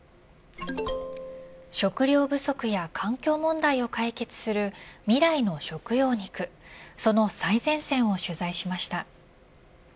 食料不足や環境問題を解決する未来の食用肉その最前線を取材しました。